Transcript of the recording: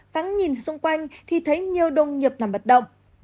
cắn nhìn xung quanh thì thấy nhiều đông nhập nằm bật động